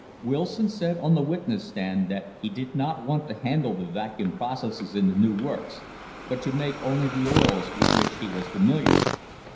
Wilson said on the witness stand that he did not want to handle the Vacuum processes in the new works, but to make only the oils with which he was familiar.